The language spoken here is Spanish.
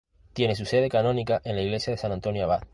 Tiene su sede canónica en la iglesia de San Antonio Abad.